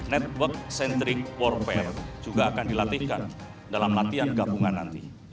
network centric warfare juga akan dilatihkan dalam latihan gabungan nanti